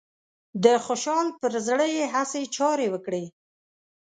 د خوشحال پر زړه يې هسې چارې وکړې